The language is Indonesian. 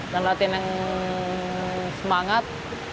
dan latihan yang semangat